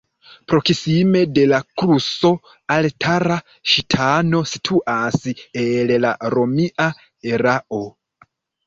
Proksime de la kruco altara ŝtono situas el la romia erao.